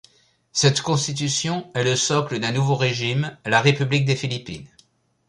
Cette constitution est le socle d'un nouveau régime, la République des Philippines.